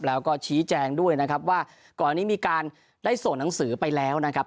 แล้วก็ชี้แจงด้วยนะครับว่าก่อนนี้มีการได้ส่งหนังสือไปแล้วนะครับ